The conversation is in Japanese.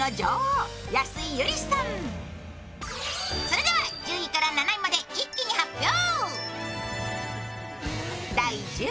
それでは１０位から７位まで一気に発表。